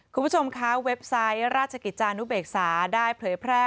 คะเว็บไซด์ราชกิจธรรมนุเบกษาได้เปลื้อแพร่